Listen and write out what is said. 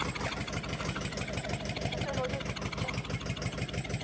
☎社長のお嬢さんとつきあってるんですってね。